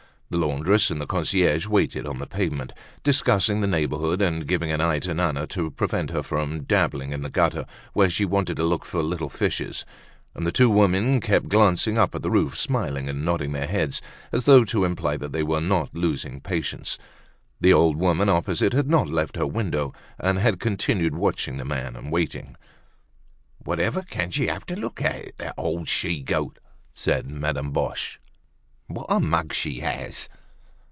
The laundress and the concierge waited on the pavement, discussing the neighborhood, and giving an eye to Nana, to prevent her from dabbling in the gutter, where she wanted to look for little fishes; and the two women kept glancing up at the roof, smiling and nodding their heads, as though to imply that they were not losing patience. The old woman opposite had not left her window, had continued watching the man, and waiting. "Whatever can she have to look at, that old she goat?" said Madame Boche. "What a mug she has!"